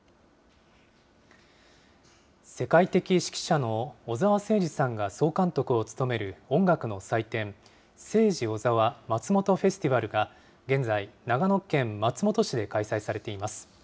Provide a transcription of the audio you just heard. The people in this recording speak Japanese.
世界的指揮者の小澤征爾さんが総監督を務める音楽の祭典、セイジ・オザワ松本フェスティバルが、現在、長野県松本市で開催されています。